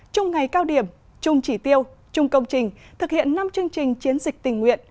chung ngày cao điểm chung chỉ tiêu chung công trình thực hiện năm chương trình chiến dịch tình nguyện